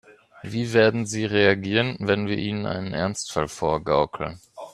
Wie werden sie reagieren, wenn wir ihnen einen Ernstfall vorgaukeln?